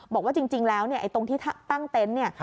บอกว่าจริงแล้วเนี่ยตรงที่ตั้งเต้นเนี่ย